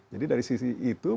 jadi dari sisi itu